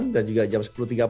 dan juga jam sepuluh tiga puluh